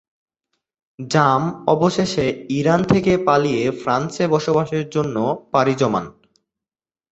জাম অবশেষে ইরান থেকে পালিয়ে ফ্রান্সে বসবাসের জন্য পাড়ি জমান।